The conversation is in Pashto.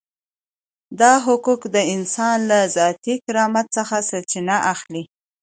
دا حقوق د انسان له ذاتي کرامت څخه سرچینه اخلي.